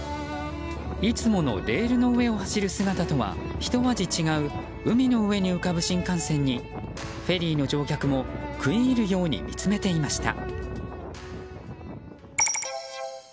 いつものレールの上を走る姿とはひと味違う海の上に浮かぶ新幹線にフェリーの乗客も食い入るように見つめていました。